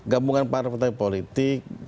gambungan partai partai politik